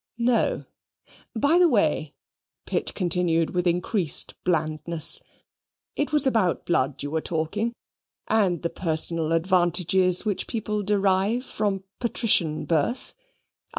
"No; by the way," Pitt continued with increased blandness, "it was about blood you were talking, and the personal advantages which people derive from patrician birth.